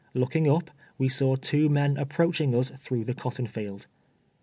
Looking up, we saw tw'o men ajjproaching us through the cot ton field.